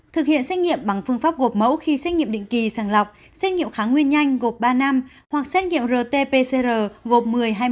thực hiện xét nghiệm bằng phương pháp gộp mẫu khi xét nghiệm định kỳ sàng lọc xét nghiệm kháng nguyên nhanh gộp ba năm hoặc xét nghiệm rt pcr gồm một mươi hai